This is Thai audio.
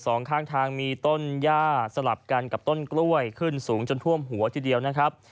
สองข้างทางมีต้นย่าสลับกันกับต้นกล้วยขึ้นสูงจนท่วมหัวทีเดียวนะครับ